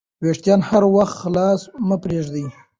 وېښتان هر وخت خلاص مه پریږدئ.